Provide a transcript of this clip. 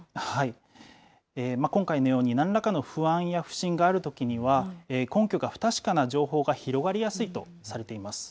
今回のようになんらかの不安や不信があるときには、根拠が不確かな情報が広がりやすいとされています。